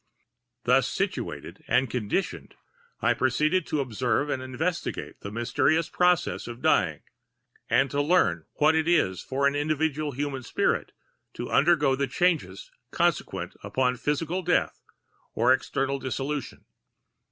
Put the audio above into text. Thus situated and conditioned, I proceeded to observe and investigate the mysterious processes of dying, and to learn what it is for an individual human spirit to undergo the changes consequent upon physical death or external dissolution.